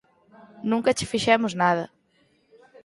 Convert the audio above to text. Nunca che fixemos nada!